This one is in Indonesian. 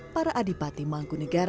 para adipati mangku negara